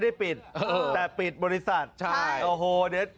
เดี๋ยวปีนเข้าไปเดี๋ยว